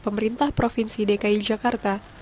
pemerintah provinsi dki jakarta